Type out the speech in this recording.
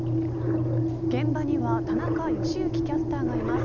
現場には田中良幸キャスターがいます。